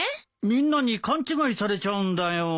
みんなに勘違いされちゃうんだよ。